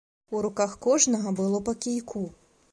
У руках кожнага было па кійку.